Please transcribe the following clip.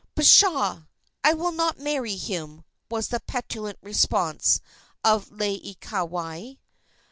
"Pshaw! I will not marry him," was the petulant response of Laieikawai.